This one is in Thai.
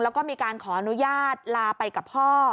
แล้วก็มีการขออนุญาตลาไปกับพ่อ